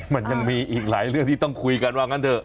มันยังมีอีกหลายเรื่องที่ต้องคุยกันว่างั้นเถอ